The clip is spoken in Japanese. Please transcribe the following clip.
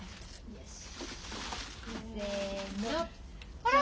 よし。